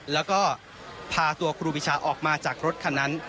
แล้วก็พาตัวครูปีชาออกมาจากรถคันนั้น